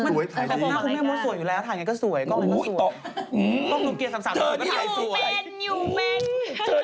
เธอนี่อยู่เป้น